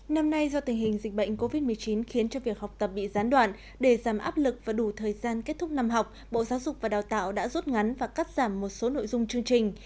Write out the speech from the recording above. năm nay do tình hình dịch bệnh covid một mươi chín khiến cho việc học tập bị gián đoạn để giảm áp lực và đủ thời gian kết thúc năm học bộ giáo dục và đào tạo đã rút ngắn và cắt giảm một số nội dung chương trình